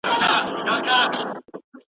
هغه فابریکي چي کار کوي هېواد ته ګټه رسوي.